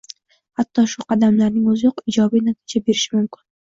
Hatto shu qadamlarning o‘ziyoq ijobiy natija berishi mumkin